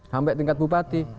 sampai tingkat bupati